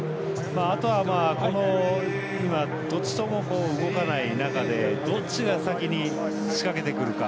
あとは、どっちとも動かない中でどっちが先に仕掛けてくるか。